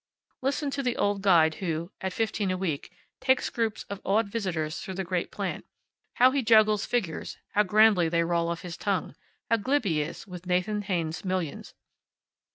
Listen to the old guide who (at fifteen a week) takes groups of awed visitors through the great plant. How he juggles figures; how grandly they roll off his tongue. How glib he is with Nathan Haynes's millions.